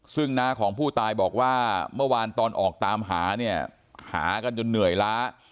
ซึ่งน้าของผู้ตายบอกว่าเมื่อวานตอนออกตามหาเนี่ยหากันจนเหนื่อยล้า